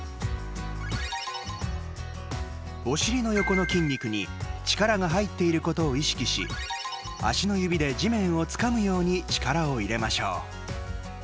お尻の横の筋肉に力が入っていることを意識し足の指で地面をつかむように力を入れましょう。